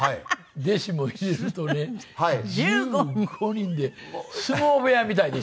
弟子も入れるとね１５人で相撲部屋みたいでした。